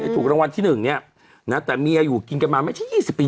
ถูกรางวัลที่หนึ่งเนี้ยนะฮะแต่เมียอยู่กินกันมาไม่ใช่ยี่สิบปี